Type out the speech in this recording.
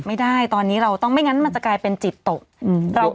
ไม่ได้ตอนนี้เราต้องไม่งั้นมันจะกลายเป็นจิตตกเราก็